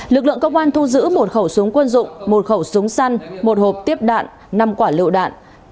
lực lượng công an thu giữ một khẩu súng quân dụng một khẩu súng săn một hộp tiếp đạn năm quả lựu đạn